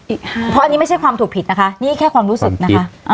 เพราะอันนี้ไม่ใช่ความถูกผิดนะคะนี่แค่ความรู้สึกนะคะ